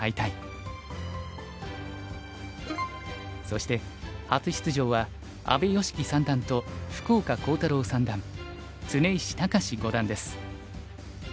そして初出場は阿部良希三段と福岡航太朗三段常石隆志五段です。